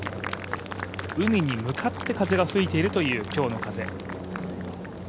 海に向かって風が吹いているという、今日の風。